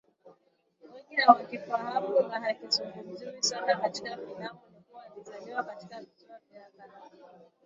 wengi hawakifahamu na hakizungumziwi sana katika filamu ni kuwa alizaliwa katika visiwa vya karafuu